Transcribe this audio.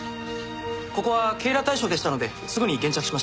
ここは警ら対象でしたのですぐに現着しました。